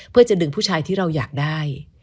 เพื่อจะดึงผู้ชายที่เราอยากได้